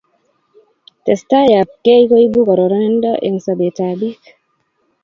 testai ab kei koibu karanindo eng' sobet ab piik